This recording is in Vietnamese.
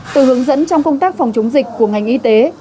từ hướng dẫn trong công tác phòng chống dịch của ngành y tế